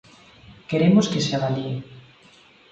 Queremos que se avalíe.